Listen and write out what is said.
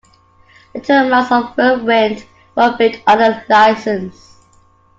Later marks of Whirlwind were built under licence.